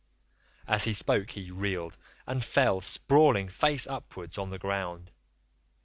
"As he spoke he reeled, and fell sprawling face upwards on the ground.